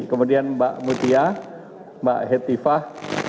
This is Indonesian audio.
kemudian mbak mutia mbak hetifah